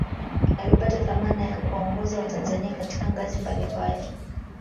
alipata dhamana ya kuwaongoza watanzania katika ngazi mbali mbali